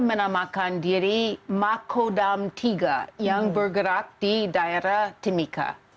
menamakan diri makodam tiga yang bergerak di daerah timika